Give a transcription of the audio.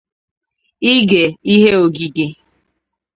ighe ihe oghighe